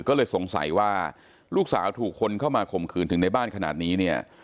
ก็เลยสงสัยว่าลูกสาวถูกคนเข้ามาข่มขืนถึงในบ้านขนาดนี้เนี่ย